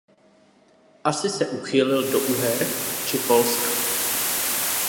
Asi se uchýlil do Uher či Polska.